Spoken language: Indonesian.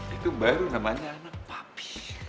itu baru namanya anak papi